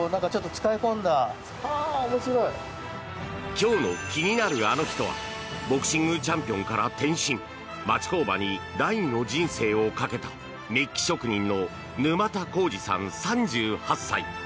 今日の気になるアノ人はボクシングチャンピオンから転身町工場に第二の人生をかけたメッキ職人の沼田康司さん、３８歳。